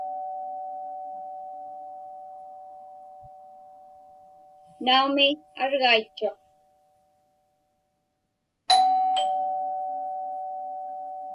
Naumi, argaitchuq.